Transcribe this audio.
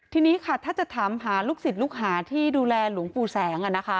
ทีนี้ค่ะถ้าจะถามหาลูกศิษย์ลูกหาที่ดูแลหลวงปู่แสง